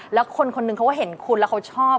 แล้วคนนึงเขาเห็นคุณแล้วเขาชอบ